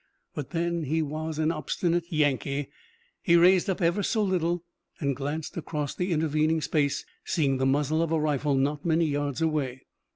But then he was an obstinate Yankee. He raised up ever so little and glanced across the intervening space, seeing the muzzle of a rifle not many yards away.